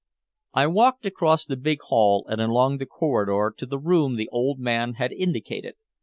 I walked across the big hall and along the corridor to the room the old man had indicated.